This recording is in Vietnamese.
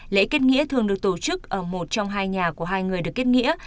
lễ kết nghĩa thường được tổ chức ở một trong hai nhà của hai người được kết nghĩa